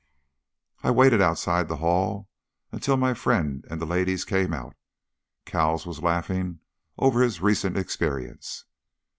I waited outside the hall until my friend and the ladies came out. Cowles was laughing over his recent experience.